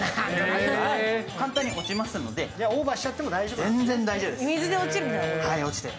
簡単に落ちますのでオーバーしても大丈夫です。